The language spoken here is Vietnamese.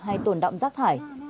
hay tồn đọng rác thải